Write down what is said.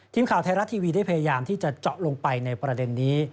ทีมข่าวไทยรัฐทีวีได้พยายามที่จะเจาะลงไปในประเด็นนี้